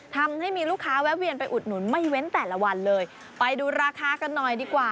ทำให้มีลูกค้าแวะเวียนไปอุดหนุนไม่เว้นแต่ละวันเลยไปดูราคากันหน่อยดีกว่า